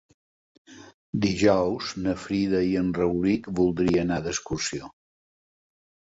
Dijous na Frida i en Rauric voldria anar d'excursió.